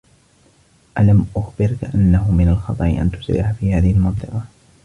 ألم أخبرك أنّه من الخطر أن تسرع في هذه المنطقة؟